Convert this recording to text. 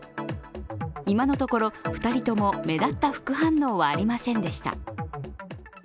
今のところ、２人とも目立った副反応はありませんでした。